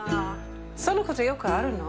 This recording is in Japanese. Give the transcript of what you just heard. そのことよくあるの？